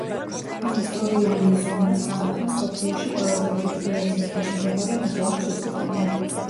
ამ ისტორიული ზონას ხანდახან მსოფლიოში ყველაზე დიდ ღია ცის ქვეშ მდებარე მუზეუმს უწოდებენ.